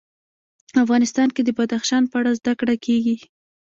افغانستان کې د بدخشان په اړه زده کړه کېږي.